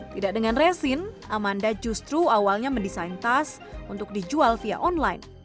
tidak dengan resin amanda justru awalnya mendesain tas untuk dijual via online